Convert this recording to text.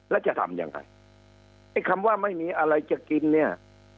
แล้วจะทำยังไงไอ้คำว่าไม่มีอะไรจะกินเนี่ย